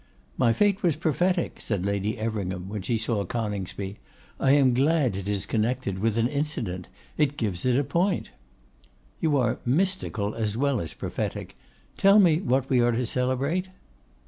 'My fête was prophetic,' said Lady Everingham, when she saw Coningsby. 'I am glad it is connected with an incident. It gives it a point.' 'You are mystical as well as prophetic. Tell me what we are to celebrate.